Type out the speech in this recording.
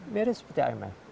ibarat seperti imf